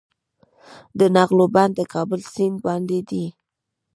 د نغلو بند د کابل سیند باندې دی